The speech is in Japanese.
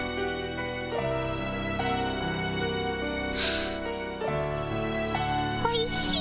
あおいしい。